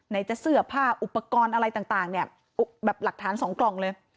ไหนจะเสือบผ้าอุปกรณ์อะไรต่างแบบหลักฐาน๒กล่องเลย